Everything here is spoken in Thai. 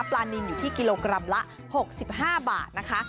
ปลานินอยู่ที่กิโลกรัมละ๖๕บาทนะคะ